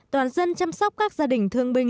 toàn dân chăm sóc các gia đình thương binh